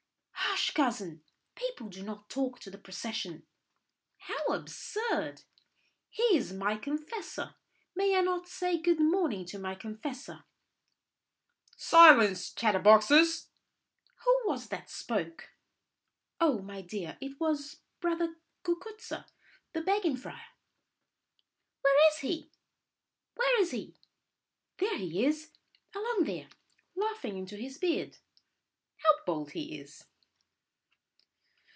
"Hush, cousin! People do not talk to the procession." "How absurd! He is my confessor. May I not say good morning to my confessor?" "Silence, chatterboxes!" "Who was that spoke?" "Oh, my dear, it was Brother Cucuzza, the begging friar." "Where is he? Where is he?" "There he is, along there, laughing into his beard. How bold he is!"